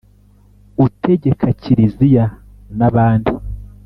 utegeka kiriziya n'abandi